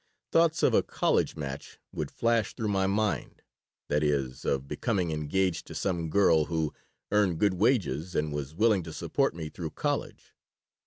Thoughts of a "college match" would flash through my mind that is, of becoming engaged to some girl who earned good wages and was willing to support me through college.